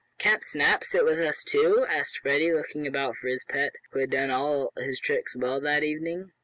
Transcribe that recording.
"Can't Snap sit with us, too?" asked Freddie, looking about for his pet, who had done all his tricks well that evening.